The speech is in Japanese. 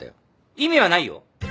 意味はないよ。